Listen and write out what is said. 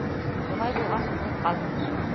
Шулай булғас, утыҙ ҡалһын.